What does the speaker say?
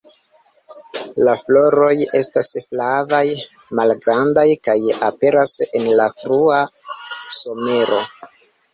La floroj estas flavaj, malgrandaj kaj aperas en la frua somero.